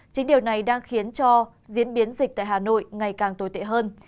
chính điều này đang khiến cho diễn biến dịch tại hà nội ngày càng tồi tệ hơn